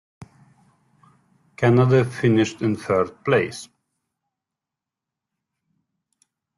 Canada finished in third place.